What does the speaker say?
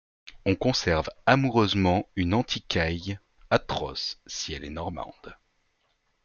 On conserve amoureusement une antiquaille atroce, si elle est normande.